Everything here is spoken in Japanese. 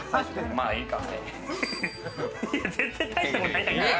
まあいいか。